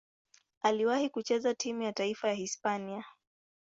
Aliwahi kucheza timu ya taifa ya Hispania.